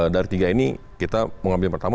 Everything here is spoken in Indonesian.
dari tiga ini kita mengambil pertama